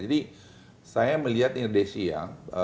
jadi saya melihat indonesia ya